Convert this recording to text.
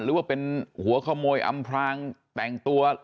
หรือว่าเป็นหัวขโมยอำพรางแต่งตัว